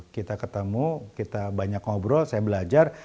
kita ketemu kita banyak ngobrol saya belajar